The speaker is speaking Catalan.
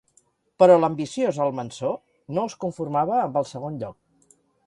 Però l'ambiciós Almansor no es conformava amb el segon lloc.